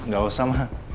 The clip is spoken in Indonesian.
gak usah ma